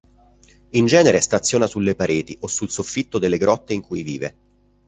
In genere staziona sulle pareti o sul soffitto delle grotte in cui vive.